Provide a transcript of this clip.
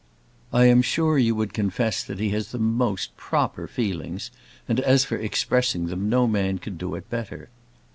I am sure you would confess that he has the most proper feelings; and as for expressing them no man could do it better.